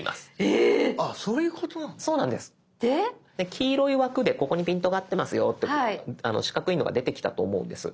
黄色い枠で「ここにピントが合ってますよ」って四角いのが出てきたと思うんです。